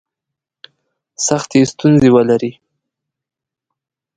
سختي ستونزي ولري.